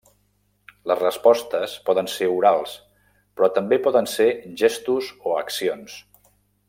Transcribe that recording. Les respostes poden ser orals però també poden ser gestos o accions.